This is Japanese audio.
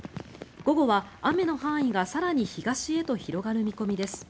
午後は雨の範囲が更に東へと広がる見込みです。